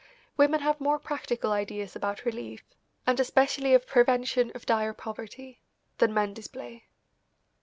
Women have more practical ideas about relief, and especially of prevention of dire poverty, than men display.